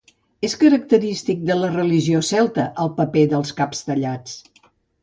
És característic de la religió celta el paper dels caps tallats.